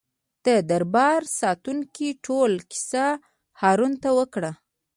د دربار ساتونکو ټوله کیسه هارون ته وکړه.